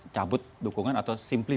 cabut dukungan atau simply